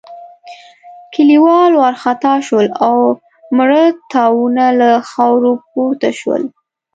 کليوال وارخطا شول او مړه تاوونه له خاورو پورته شول.